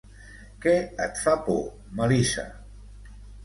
Què et fa por, Melissa?